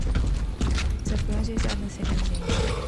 The branches are ascending.